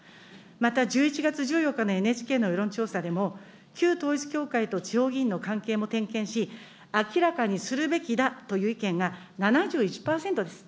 また１１月１４日のＮＨＫの世論調査でも、旧統一教会と地方議員の関係も点検し、明らかにするべきだという意見が、７１％です。